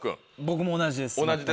僕も同じです全く。